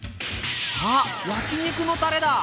あっ焼き肉のたれだ！